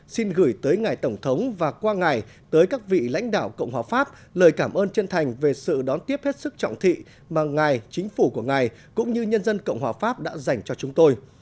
xin gửi tới ngài tổng thống và qua ngài tới các vị lãnh đạo cộng hòa pháp lời cảm ơn chân thành về sự đón tiếp hết sức trọng thị mà ngài chính phủ của ngài cũng như nhân dân cộng hòa pháp đã dành cho chúng tôi